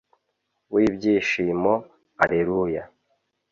w'ibyishimo, alleluya